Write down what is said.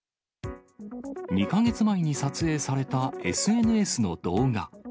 ２か月前に撮影されたＳＮＳの動画。